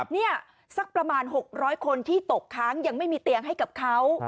นี่สักประมาณ๖๐๐คนที่ตกค้างยังไม่มีเตียงให้กับเขา